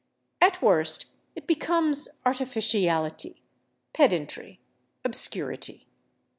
At worst, it becomes artificiality, pedantry, obscurity.